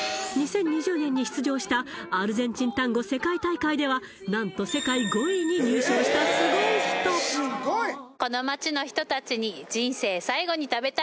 ２０２０年に出場したアルゼンチンタンゴ世界大会では何と世界５位に入賞したスゴい人と思います